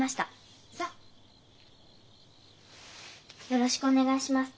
よろしくお願いします。